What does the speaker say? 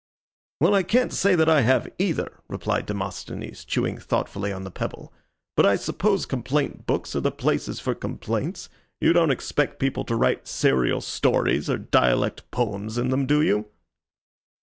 "Well, I can't say that I have either," replied Demosthenes, chewing thoughtfully on the pebble, "but I suppose complaint books are the places for complaints. You don't expect people to write serial stories or dialect poems in them, do you?"